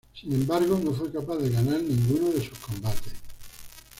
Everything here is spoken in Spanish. Sin embargo no fue capaz de ganar ninguno de sus combates.